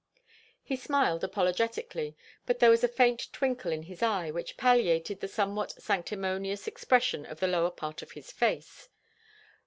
He smiled apologetically, but there was a faint twinkle in his eye which palliated the somewhat sanctimonious expression of the lower part of his face.